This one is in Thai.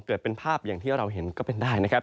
เกิดเป็นภาพอย่างที่เราเห็นก็เป็นได้นะครับ